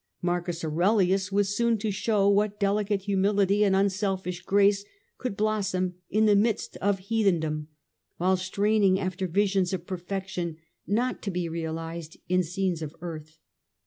Marcus Aurelius was soon to show what delicate humility and unselfish grace could blossom in the midst of heathen dom, while straining after visions of perfection not to be realized in scenes of earth.